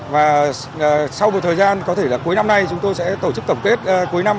và sau một thời gian có thể là cuối năm nay chúng tôi sẽ tổ chức tổng kết cuối năm